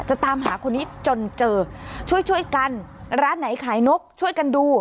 ตามหาคนนี้จนเจอช่วยช่วยกันร้านไหนขายนกช่วยกันดู